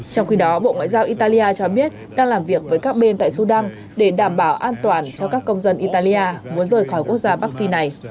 trong khi đó bộ ngoại giao italia cho biết đang làm việc với các bên tại sudan để đảm bảo an toàn cho các công dân italia muốn rời khỏi quốc gia bắc phi này